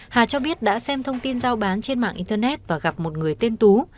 hà cho biết đã xem thông tin giao bán trên mạng internet và gặp một người tên tú